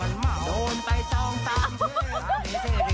โดนไปจองตามเทท